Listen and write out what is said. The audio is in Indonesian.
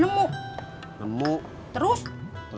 jumlah monyet nyari nyari